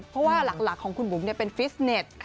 เพราะว่าหลักของคุณบุ๋มเป็นฟิสเน็ต